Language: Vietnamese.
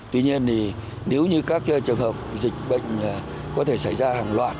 tuy nhiên thì nếu như các trường hợp dịch bệnh có thể xảy ra hàng loạt